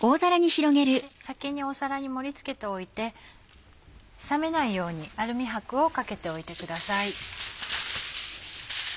先に皿に盛り付けておいて冷めないようにアルミ箔をかけておいてください。